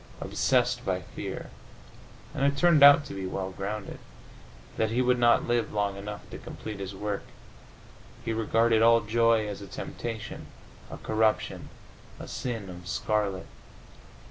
Obsessed by the fear and it turned out to be well grounded that he would not live long enough to complete his work, he regarded all joy as a temptation, a corruption, a sin of scarlet.